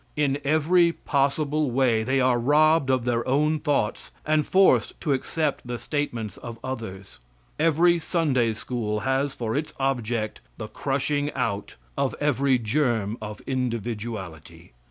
In every possible way they are robbed of their own thoughts and forced to accept the statements of others. Every Sunday school has for its object the crushing out of every germ of individuality.